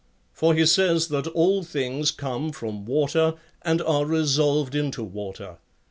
|] For he says that all things come from water and all are resolved into water.